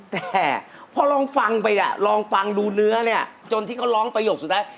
แต่พอลองฟังไปเนี่ยลองฟังดูเนื้อเนี่ยจนที่เขาร้องประโยคสุดท้าย